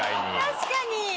確かに！